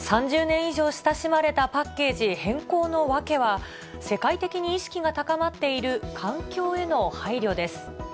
３０年以上親しまれたパッケージ変更の訳は、世界的に意識が高まっている環境への配慮です。